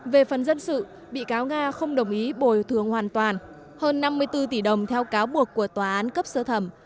về phần dân sự bị cáo nga không đồng ý bồi thường hoàn toàn hơn năm mươi bốn tỷ đồng theo cáo buộc của tòa án cấp sơ thẩm